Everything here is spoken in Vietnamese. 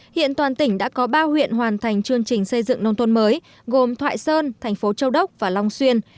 hiện toàn tỉnh đã có ba huyện hoàn thành chương trình xây dựng nông thôn mới gồm thoại sơn thành phố châu đốc và long xuyên